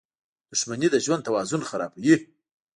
• دښمني د ژوند توازن خرابوي.